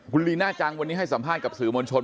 คุณลีน่าจังวันนี้ให้สัมภาษณ์กับสื่อมวลชน